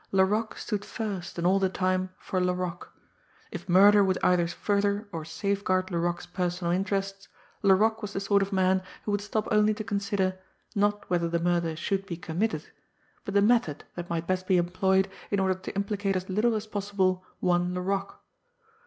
Laroque stood first and all the time for Laroque. If murder would either further or safeguard Laroque's personal interests, Laroque was the sort of man who would stop only to consider, not whether the murder should be committed, but the method that might best be employed in order to implicate as little as possible one Laroque!